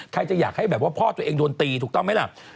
ใครจะอยากให้แบบว่าพ่อตัวเองโดนตีถูกต้องไหมล่ะ